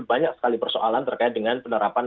banyak sekali persoalan terkait dengan penerapan